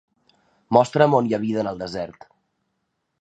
Mostra'm on hi ha vida en el desert.